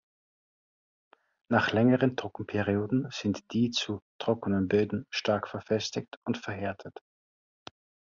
Nach längeren Trockenperioden sind die zu "trockenen Böden" stark verfestigt und verhärtet.